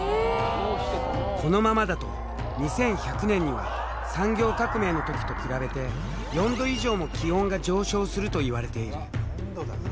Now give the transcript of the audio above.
このままだと２１００年には産業革命の時と比べて４℃以上も気温が上昇するといわれている。